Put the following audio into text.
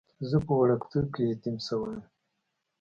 زه په وړکتوب کې یتیم شوی وم.